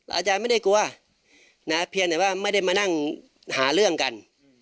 อาจารย์ไม่ได้กลัวนะเพียงแต่ว่าไม่ได้มานั่งหาเรื่องกัน